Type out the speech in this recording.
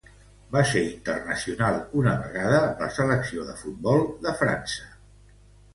Va ser internacional una vegada amb la selecció de futbol de França.